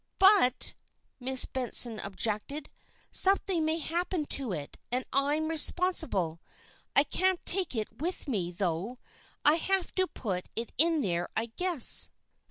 "But," Miss Benson objected, "something may happen to it and I am responsible. I can't take it with me, though. I'll have to put it in there, I guess."